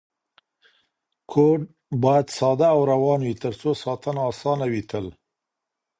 کوډ باید ساده او روان وي ترڅو ساتنه اسانه وي تل.